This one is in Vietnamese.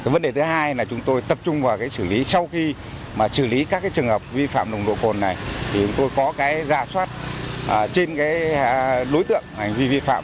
vấn đề thứ hai là chúng tôi tập trung vào xử lý sau khi xử lý các trường hợp vi phạm nồng độ cồn này thì chúng tôi có ra soát trên đối tượng hành vi vi phạm